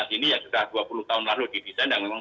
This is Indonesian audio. ini sudah dua puluh tahun lalu didesain dan memang